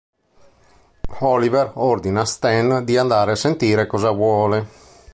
Oliver ordina a Stan di andare a sentire cosa vuole.